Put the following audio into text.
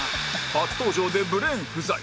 初登場でブレーン不在！